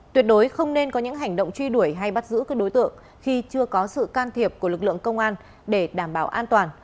tuyệt đối không nên có những hành động truy đuổi hay bắt giữ các đối tượng khi chưa có sự can thiệp của lực lượng công an để đảm bảo an toàn